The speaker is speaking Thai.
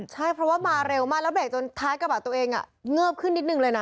ใช่เพราะว่ามาเร็วมากแล้วเบรกจนท้ายกระบะตัวเองเงิบขึ้นนิดนึงเลยนะ